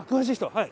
はい。